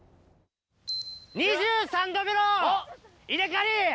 ２３度目の稲刈り。